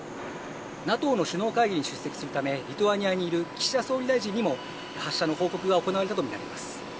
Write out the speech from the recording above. ＮＡＴＯの首脳会議に出席するためリトアニアにいる岸田総理大臣にも発射の報告が行われたと見られます。